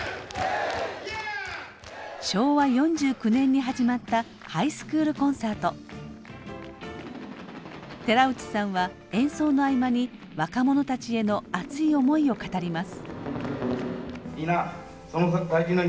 昭和４９年に始まった寺内さんは演奏の合間に若者たちへの熱い思いを語ります。